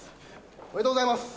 おめでとうございます。